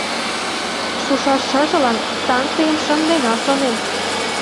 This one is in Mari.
Шушаш шыжылан станцийым шындена, шонем!